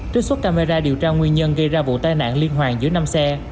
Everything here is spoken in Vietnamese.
trước suốt camera điều tra nguyên nhân gây ra vụ tai nạn liên hoàn giữa năm xe